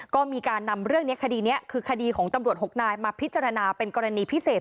ก็มีการนำเรื่องนี้คดีนี้คือคดีของตำรวจ๖นายมาพิจารณาเป็นกรณีพิเศษ